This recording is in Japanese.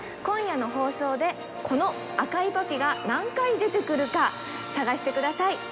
今夜の放送でこの赤いパピが何回出てくるか探してください。